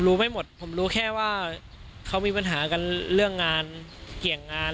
ไม่หมดผมรู้แค่ว่าเขามีปัญหากันเรื่องงานเกี่ยงงาน